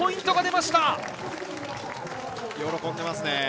喜んでいますね。